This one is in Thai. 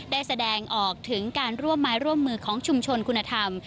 ได้แสดงออกถึงการร่วมไม้ร่วมมือของชุมชนคุณธรรม